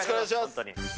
本当に。